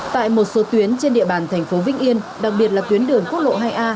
tại một số tuyến trên địa bàn thành phố vĩnh yên đặc biệt là tuyến đường quốc lộ hai a